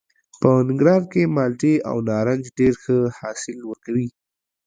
په ننګرهار کې مالټې او نارنج ډېر ښه حاصل ورکوي.